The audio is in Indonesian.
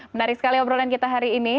menarik sekali obrolan kita hari ini